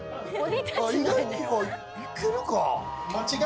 あっ意外にいけるか。